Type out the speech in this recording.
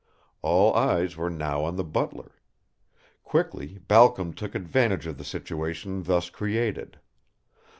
All eyes were now on the butler. Quickly Balcom took advantage of the situation thus created.